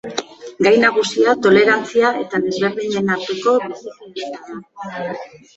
Gai nagusia tolerantzia eta desberdinen arteko bizikidetza da.